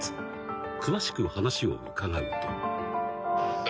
［詳しく話を伺うと］